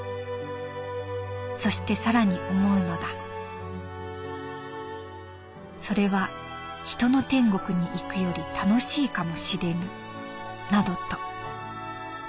そしてさらに思うのだそれは人の天国に行くより楽しいかもしれぬなどと」。